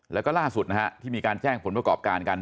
แล้วก็ล่าสุดนะฮะที่มีการแจ้งผลประกอบการกัน